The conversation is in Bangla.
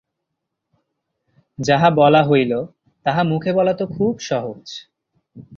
যাহা বলা হইল, তাহা মুখে বলা তো খুব সহজ।